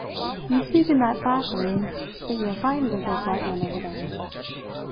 "You speak in that fashion, but you are frightened of those white men over there."